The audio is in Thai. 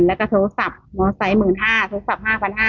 และก็โทรศัพท์เมืองห้าโทรศัพท์๕๕๐๐